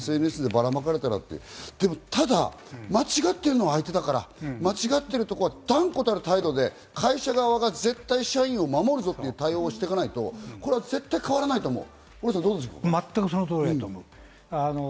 間違ったこと言われたらどうしようとか、自分の顔写真をＳＮＳでばら撒かれたらっていう、ただ間違ってるのは相手だから、間違ってるところは断固たる態度で会社側が絶対社員を守るぞという対応していかないと、絶対変わらないと思う。